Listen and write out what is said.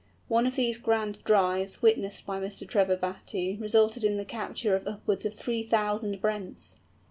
One of these grand "drives" witnessed by Mr. Trevor Battye resulted in the capture of upwards of three thousand Brents!